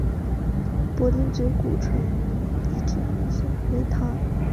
柏林嘴古城遗址的历史年代为唐。